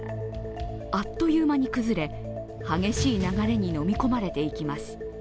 あっという間に崩れ、激しい流れにのみ込まれていきます。